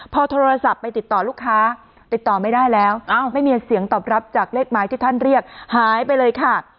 พอโทรศัพท์ไปติดต่อลูกค้าติดต่อไม่ได้แล้วไม่มีเสียงตอบรับจากเลขหมายที่ท่านเรียกหายไปเลยค่ะ